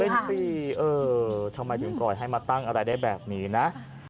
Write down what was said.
เป็นปีเออทำไมถึงปล่อยให้มาตั้งอะไรได้แบบนี้นะ